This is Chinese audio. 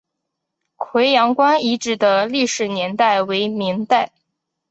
葵阳关遗址的历史年代为明代。